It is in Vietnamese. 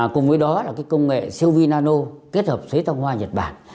cùng với đó là công nghệ siêu vi nano kết hợp phế tăng hoa nhật bản